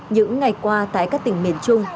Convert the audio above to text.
những ngày qua tại các tỉnh miền trung